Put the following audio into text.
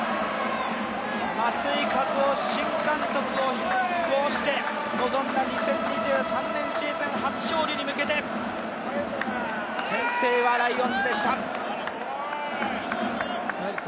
松井稼頭央新監督を擁した２０２３年シーズン初勝利に向けて先制はライオンズでした。